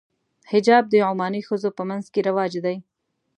حجاب د عماني ښځو په منځ کې رواج دی.